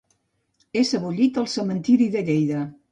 És sebollit al Cementiri de Lleida.